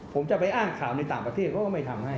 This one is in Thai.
ผมจะไปอ้างข่าวในต่างประเทศเขาก็ไม่ทำให้